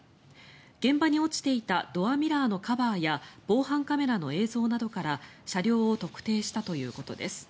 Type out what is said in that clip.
現場に落ちていたドアミラーのカバーや防犯カメラの映像などから車両を特定したということです。